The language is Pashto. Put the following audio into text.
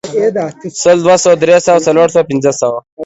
سل، دوه سوه، درې سوه، څلور سوه، پنځه سوه